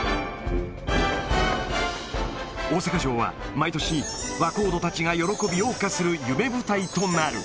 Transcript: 大阪城は、毎年、若人たちが喜びをおう歌する夢舞台となる。